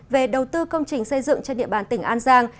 về đầu tư công trình xây dựng trên địa bàn tỉnh an giang